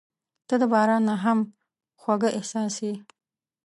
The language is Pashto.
• ته د باران نه هم خوږه احساس یې.